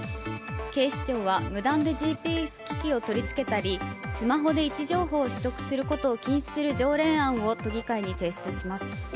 警視庁は無断でＧＰＳ機器を取り付けたりスマホで位置情報を取得することを禁止する条例案を都議会に提出します。